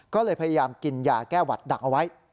ก็เลยพยายามกินยาแก้หวัดดักเอาไว้